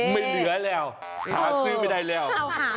ไม่เหลือแล้วหาซื้อไม่ได้แล้ว